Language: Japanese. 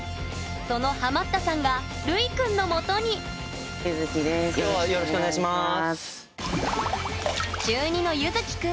そのハマったさんがるいくんのもとに！今日はよろしくお願いします。